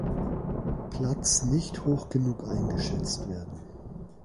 Platz nicht hoch genug eingeschätzt werden.